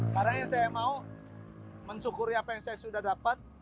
udah saya kadangnya saya mau mensyukuri apa yang saya sudah dapat